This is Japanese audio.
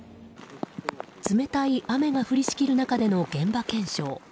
冷たい雨が降りしきる中での現場検証。